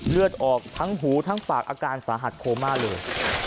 เลือดออกทั้งหูทั้งปากอาการสาหัสโคม่าเลย